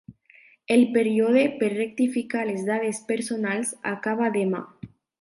El període per rectificar les dades personals acaba demà.